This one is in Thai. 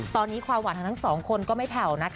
ตอนนี้ความหวานทั้ง๒คนก็ไม่แถวนะ